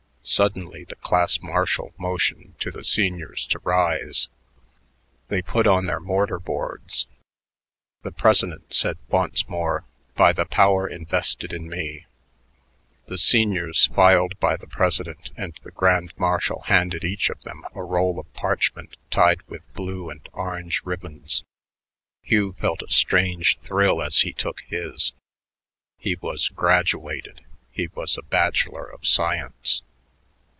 Suddenly the class marshal motioned to the seniors to rise. They put on their mortar boards. The president said once more, "By the power invested in me...." The seniors filed by the president, and the grand marshal handed each of them a roll of parchment tied with blue and orange ribbons. Hugh felt a strange thrill as he took his. He was graduated; he was a bachelor of science....